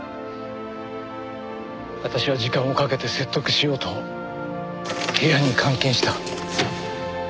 私は時間をかけて説得しようと部屋に監禁した。